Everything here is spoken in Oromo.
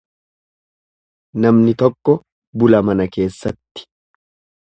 Namni tokko bula mana keessatti.